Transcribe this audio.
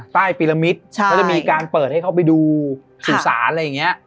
ปีละมิตรเขาจะมีการเปิดให้เขาไปดูสื่อสารอะไรอย่างนี้